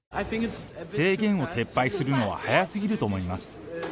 制限を撤廃するのは早すぎると思います。